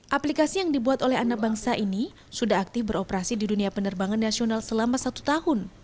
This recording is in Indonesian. aplikasi yang dibuat oleh anak bangsa ini sudah aktif beroperasi di dunia penerbangan nasional selama satu tahun